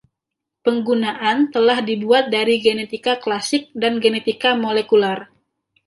Penggunaan telah dibuat dari genetika klasik dan genetika molekular.